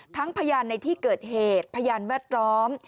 พยานในที่เกิดเหตุพยานแวดล้อม